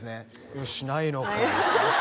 「よしないのか」